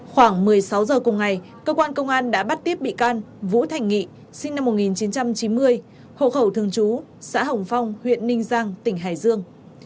khoảng một mươi sáu h cùng ngày công an đã bắt tiếp bị can vũ thành nghị sinh năm một nghìn chín trăm chín mươi hộ khẩu thường chú xã hồng phong huyện ninh giang tỉnh hải dương